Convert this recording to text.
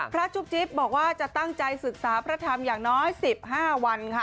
จุ๊บจิ๊บบอกว่าจะตั้งใจศึกษาพระธรรมอย่างน้อย๑๕วันค่ะ